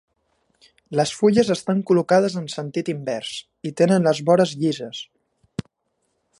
Les fulles estan col·locades en sentit invers i tenen les vores llises.